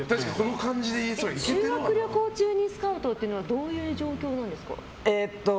修学旅行中にスカウトというのはどういう状況なんですか？